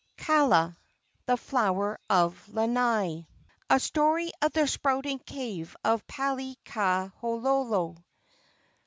KAALA, THE FLOWER OF LANAI. A STORY OF THE SPOUTING CAVE OF PALIKAHOLO.